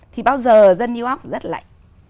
thì bao giờ dân new york rất lạnh